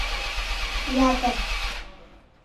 Ятыр.